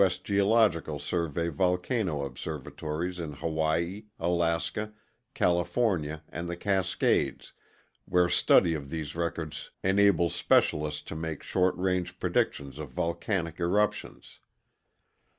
S. Geological Survey volcano observatories in Hawaii, Alaska, California, and the Cascades, where study of these records enables specialists to make short range predictions of volcanic eruptions.